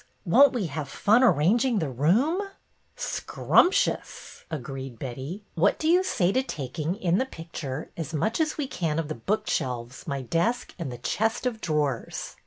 ''Won't we have fun arranging the room !"" Scrumptious !" agreed Betty. " What do you no BETTY BAIRD'S VENTURES say to taking, in the picture, as much as we can of the book shelves, my desk and the chest of drawers?